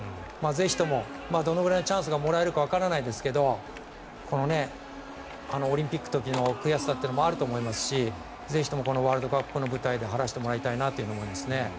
ぜひともどのぐらいのチャンスがもらえるかわからないですがオリンピックの時の悔しさというのもあると思いますしぜひともワールドカップの舞台で晴らしてもらいたいと思います。